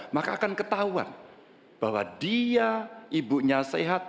maka akan ketahuan bahwa dia ibunya sehat